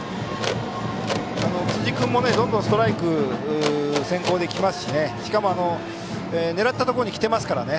辻君もどんどんストライク先行できますししかも、狙ったところに来ていますからね。